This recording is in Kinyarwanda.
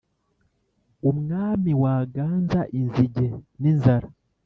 umwami waganza inzige n’inzara,